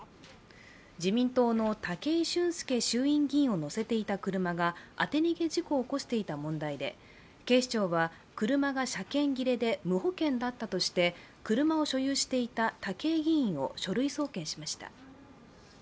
自民党の武井俊輔衆院議員を乗せていた車が当て逃げ事故を起こしていた問題で警視庁は車が車検切れで無保険だったとして車を所有していた武井議員を書類送検しました。